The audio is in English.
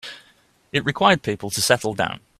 It required people to settle down.